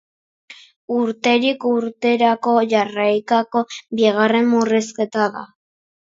Urterik urterako jarraikako bigarren murrizketa da.